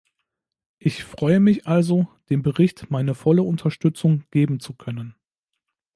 Ich freue mich also, dem Bericht meine volle Unterstützung geben zu können.